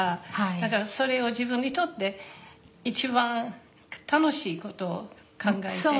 だからそれを自分にとって一番楽しいことを考えて。